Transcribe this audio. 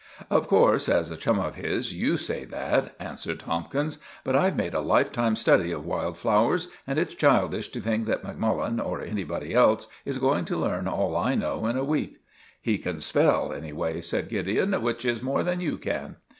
"Of course, as a chum of his, you say that," answered Tomkins. "But I've made a lifetime study of wild flowers, and it's childish to think that Macmullen, or anybody else, is going to learn all I know in a week." "He can spell, anyway," said Gideon, "which is more than you can."